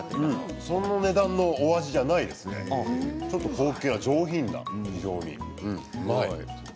その値段の味じゃないですね、ちょっと高級で上品でうまい。